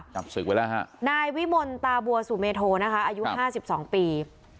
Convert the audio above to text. จับศึกไว้แล้วฮะนายวิมลตาบัวสุเมโทนะคะอายุห้าสิบสองปี